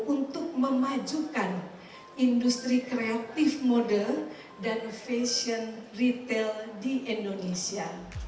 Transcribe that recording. untuk memajukan industri kreatif model dan fashion retail di indonesia